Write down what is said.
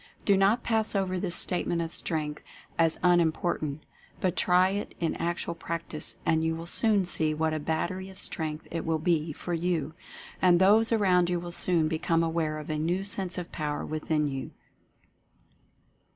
Do not pass over this Statement of Strength as un important, but try it in actual practice and you will soon see what a Battery of Strength it will be for you. And those around you will soon become aware of a new sense of Power Within you.